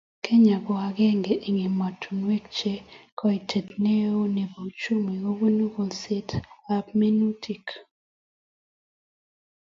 Kenya ko agenge eng emotinwekab che koitet neo nebo uchumi kobunu kolsetab minutik